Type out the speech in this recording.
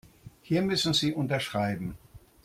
Hier müssen Sie unterschreiben.